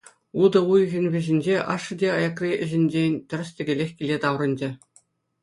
Утӑ уйӑхӗн вӗҫӗнче ашшӗ те аякри ӗҫӗнчен тӗрӗс-тӗкелех киле таврӑнчӗ.